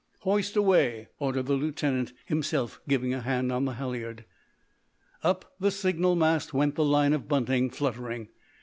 "Hoist away!" ordered the lieutenant, himself giving a hand on the halliard. Up the signal mast went the line of bunting, fluttering.